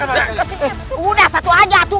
sudah satu aja tuh